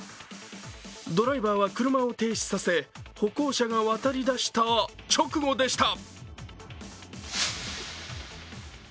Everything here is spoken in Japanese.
ドライバーを車を停止させ、歩行者が渡り出した直後でした。